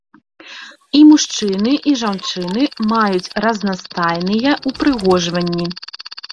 І мужчыны, і жанчыны маюць разнастайныя ўпрыгожванні.